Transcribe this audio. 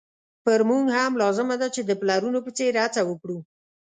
پر موږ هم لازمه ده چې د پلرونو په څېر هڅه وکړو.